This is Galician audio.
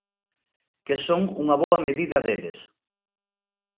¡Que son unha boa medida deles!